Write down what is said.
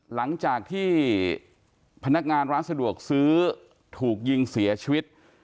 หลังจากที่พนักงานร้านสะดวกซื้อถูกยิงเสียชีวิต